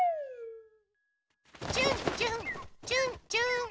ちゅんちゅんちゅんちゅん。